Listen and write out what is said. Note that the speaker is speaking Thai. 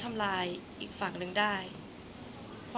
คนเราถ้าใช้ชีวิตมาจนถึงอายุขนาดนี้แล้วค่ะ